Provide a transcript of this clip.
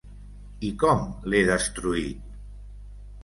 I com l"he destruït?